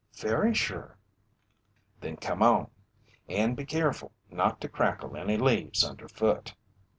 "Very sure." "Then come on. And be keerful not to crackle any leaves underfoot."